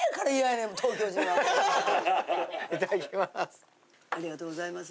いただきます。